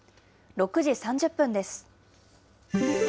６時３０分です。